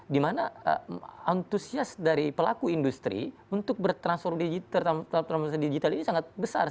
di mana antusias dari pelaku industri untuk bertransformasi digital ini sangat besar